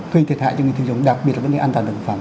thuê thiệt hại cho người dùng đặc biệt là vấn đề an toàn thực phẩm